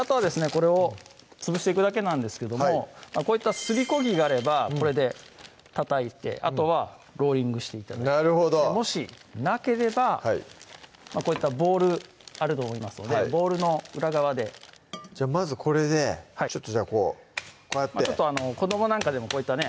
これを潰していくだけなんですけどもこういったすりこぎがあればこれでたたいてあとはローリングして頂いてなるほどもしなければこういったボウルあると思いますのでボウルの裏側でじゃあまずこれでちょっとじゃあこうこうやって子どもなんかでもこういったね